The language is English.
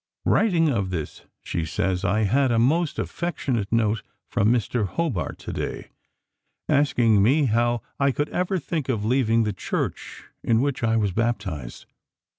Writing of this, she says: "I had a most affectionate note from Mr. Hobart to day, asking me how I could ever think of leaving the Church in which I was baptized.